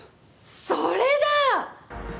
それだ！